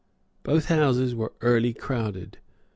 Both Houses were early crowded.